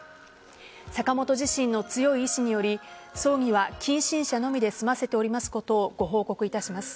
坂本自身の強い意志により葬儀は、近親者のみで済ませておりますことをご報告いたします。